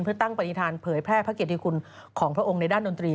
เพื่อตั้งปฏิฐานเผยแพร่พระเกียรติคุณของพระองค์ในด้านดนตรี